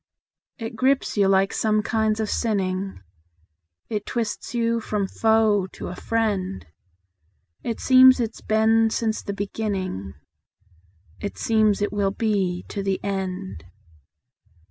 It grips you like some kinds of sinning; It twists you from foe to a friend; It seems it's been since the beginning; It seems it will be to the end.